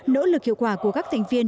nỗ lực hiệu quả của các thành viên